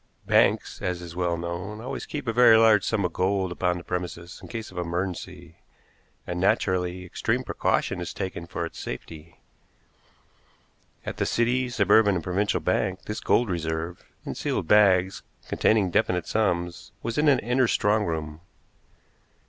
Banks, as is well known, always keep a very large sum in gold upon the premises in case of emergency, and, naturally, extreme precaution is taken for its safety. At the City, Suburban and Provincial Bank this gold reserve, in sealed bags, containing definite sums, was in an inner strong room.